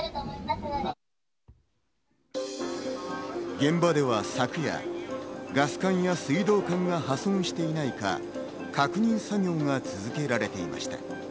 現場では昨夜、ガス管や水道管が破損していないか確認作業が続けられていました。